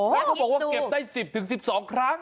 แล้วเขาบอกว่าเก็บได้๑๐๑๒ครั้ง